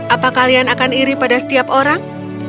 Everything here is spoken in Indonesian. apakah kebenaran akan iri pada setiap orang